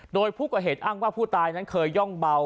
โดยผู้ก่อเหตุอ้างว่าผู้ตายนั้นเคยย่องเบา